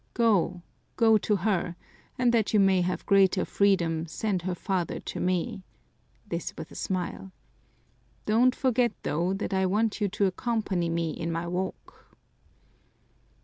Go, go to her, and that you may have greater freedom send her father to me," this with a smile. "Don't forget, though, that I want you to accompany me in my walk."